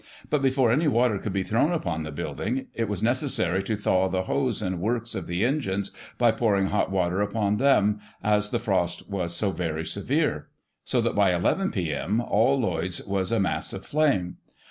But, before any water could be thrown upon the building, it was necessary to thaw the hose and works of the engines by pouring hot water upon them^ as the frost was so very severe ; so that, by 1 1 p.m., all Lloyd's was a mass of flame.